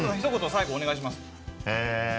最後お願いします。